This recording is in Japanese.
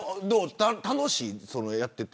楽しい、やっていて。